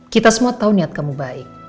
kita semua tahu niat kamu baik